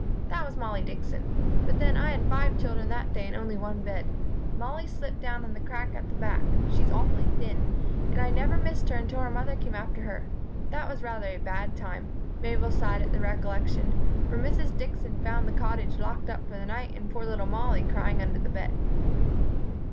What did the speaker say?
"That was Mollie Dixon. But then, I had five children that day and only one bed. Mollie slipped down in the crack at the back she's awfully thin and I never missed her until her mother came after her. That was rather a bad time [Mabel sighed at the recollection] for Mrs. Dixon found the Cottage locked up for the night and poor little Mollie crying under the bed."